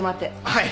はい。